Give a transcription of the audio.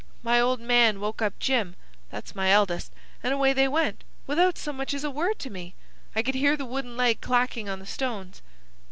My old man woke up Jim,—that's my eldest,—and away they went, without so much as a word to me. I could hear the wooden leg clackin' on the stones."